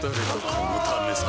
このためさ